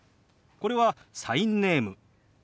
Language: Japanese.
これはサインネーム。